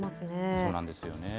そうなんですよね。